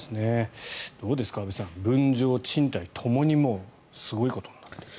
どうですか、安部さん分譲、賃貸ともにすごいことになっている。